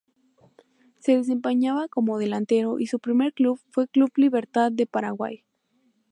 Se desempeñaba como delantero y su primer club fue Club Libertad de Paraguay.